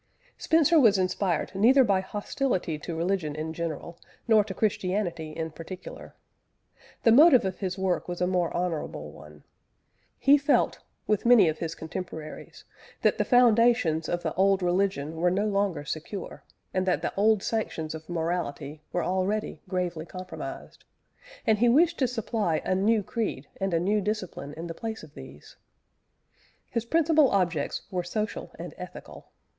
Spencer was inspired neither by hostility to religion in general, nor to Christianity in particular. The motive of his work was a more honourable one. He felt, with many of his contemporaries, that the foundations of the old religion were no longer secure, and that the old sanctions of morality were already gravely compromised; and he wished to supply a new creed and a new discipline in the place of these. His principal objects were social and ethical.